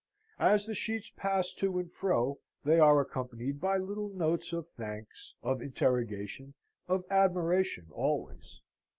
As the sheets pass to and fro they are accompanied by little notes of thanks, of interrogation, of admiration, always.